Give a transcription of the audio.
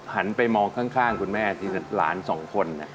หันไปมองข้างคุณแม่ที่หลานสองคน